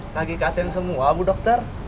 kaki katen semua bu dokter